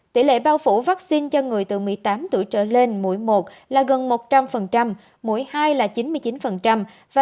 tỷ lệ bao phủ vaccine cho người từ một mươi tám tuổi trở lên mỗi một là gần một trăm linh mỗi hai là chín mươi chín